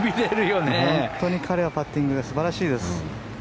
本当に彼はパッティングが素晴らしいです。